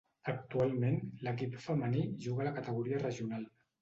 Actualment, l'equip femení juga a la categoria regional.